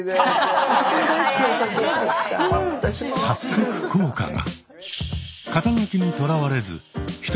早速効果が。